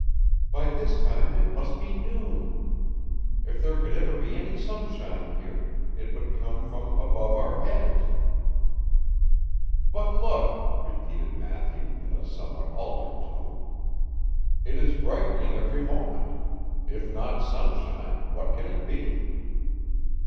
'By this time it must be noon. If there could ever be any sunshine here, it would come from above our heads.' 'But look!' repeated Matthew, in a somewhat altered tone. 'It is brightening every moment. If not sunshine, what can it be?